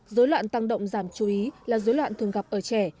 dối loạn tăng động giảm chú ý là dối loạn thường gặp ở trẻ